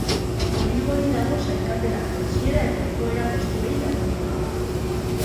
Gori-gori dago sailkapena jaitsiera eta igoera postuei dagokienez.